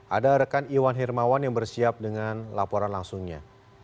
ada rekan iwan hermawan yang bersiap dengan laporan langsungnya